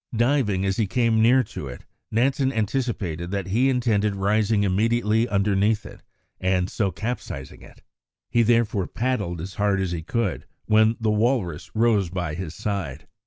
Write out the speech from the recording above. Diving as he came near to it, Nansen anticipated that he intended rising immediately underneath it, and so capsizing it. He therefore paddled as hard as he could, when the walrus rose by his side.